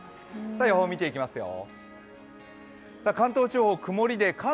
予報を見ていきますよ。